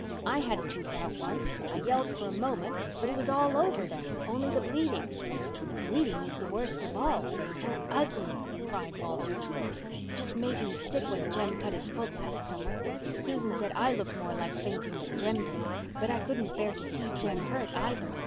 I had a tooth out once. I yelled for a moment, but it was all over then—only the bleeding." "The bleeding is worst of all—it's so ugly," cried Walter. "It just made me sick when Jem cut his foot last summer. Susan said I looked more like fainting than Jem did. But I couldn't bear to see Jem hurt, either.